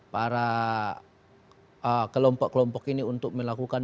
para kelompok kelompok ini untuk melakukan